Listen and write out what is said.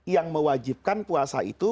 yang mewajibkan puasa itu